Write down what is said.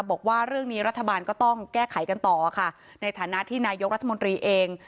บอกว่าเรื่องนี้รัฐบาลก็ต้องแก้ไขกันต่อค่ะในฐานะที่นายกรัฐมนตรีเอง